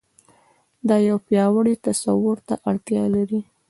دا يو پياوړي تصور ته اړتيا لري.